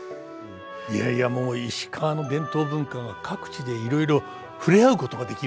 いやいやもう石川の伝統文化が各地でいろいろ触れ合うことができる。